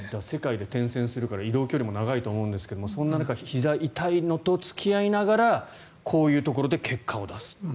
世界で転戦するから移動距離も長いと思うんですがそんな中ひざが痛いのと付き合いながらこういうところで結果を出す。